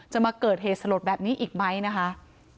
จะมาเกิดเหตุสลดแบบนี้อีกไหมนะคะ